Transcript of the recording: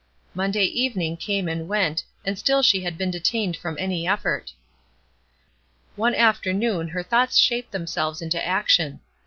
Monday evening came and went, and still she had been detained from any effort. One afternoon her thoughts shaped themselves into action.